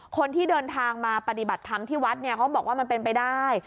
คนที่เดินทางมาปฏิบัติธรรมที่วัดเนี่ยเขาบอกว่ามันเป็นไปได้